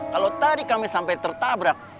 kalau tadi kami sampai tertabrak